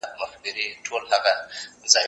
هغه وويل چي درسونه ضروري دي؟